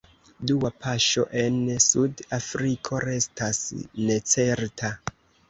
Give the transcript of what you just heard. Dua paŝo en Sud-Afriko restas necerta.